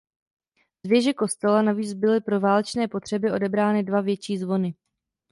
Z věže kostela navíc byly pro válečné potřeby odebrány dva větší zvony.